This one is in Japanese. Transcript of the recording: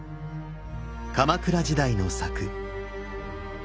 鎌倉時代の作。